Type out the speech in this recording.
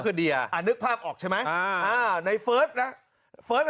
คือเดียอ่านึกภาพออกใช่ไหมอ่าอ่าในเฟิร์สนะเฟิร์สอ่ะ